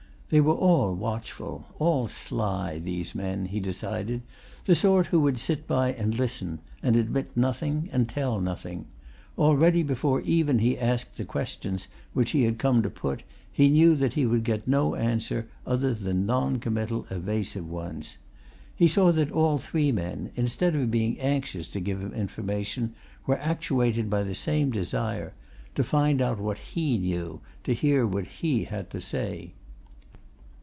They were all watchful, all sly, these men, he decided: the sort who would sit by and listen, and admit nothing and tell nothing; already, before even he asked the questions which he had come to put, he knew that he would get no answer other than noncommittal, evasive ones. He saw that all three men, instead of being anxious to give him information, were actuated by the same desire to find out what he knew, to hear what he had to say.